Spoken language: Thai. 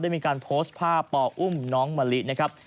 มีการโพสต์ภาพปอุ้มน้องมะลินะครับ